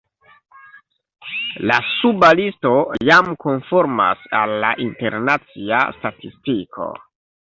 La suba listo jam konformas al la internacia statistiko.